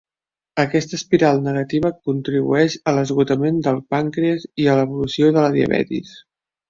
Aquesta espiral negativa contribueix a l'esgotament del pàncrees i a l'evolució de la diabetis.